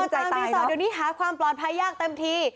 นี่นอนตามรีสอร์ตดัวนี้หาความปลอดภัยยากเต็มที